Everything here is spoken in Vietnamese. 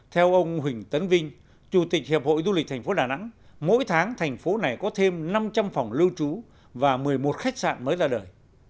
theo ông huỳnh tấn vinh chủ tịch hiệp hội du lịch tp đà nẵng mỗi tháng thành phố này có thêm năm trăm linh phòng lưu trú và một mươi một khách sạn mới ra đời